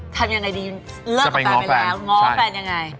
ทำยังไงดีเลิกกับแฟนไปแล้วง้อแฟนยังไง